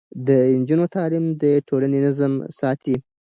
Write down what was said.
د نجونو تعليم د ټولنې نظم ساتي.